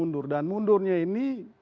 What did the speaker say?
dan mundurnya ini